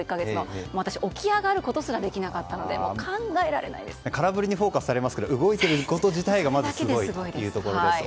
私、起き上がることすらできなかったので空振りにフォーカスされますが動いてるだけでもまずすごいというところですね。